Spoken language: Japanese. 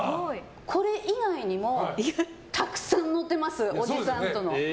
これ以外にもたくさん載ってますおじさんとの。